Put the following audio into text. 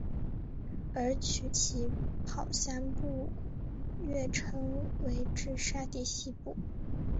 而取其跑三步跃称之为沙蒂希步。